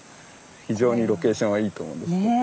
非常にロケーションはいいと思うんですけど。